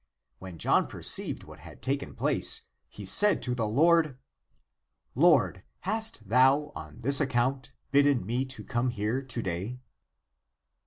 When John perceived what had taken place, he said to the Lord, " Lord, hast thou on this account bidden me to come here to day